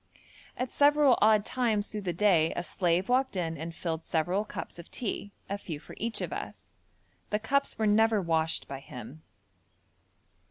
At several odd times through the day a slave walked in and filled several cups of tea, a few for each of us. The cups were never washed by him.